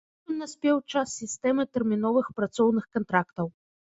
Потым наспеў час сістэмы тэрміновых працоўных кантрактаў.